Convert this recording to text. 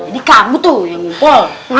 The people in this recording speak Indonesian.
jadi kamu tuh yang ngopol